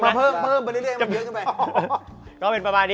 เพิ่มไปเรื่อยมันเยอะจริงป่ะ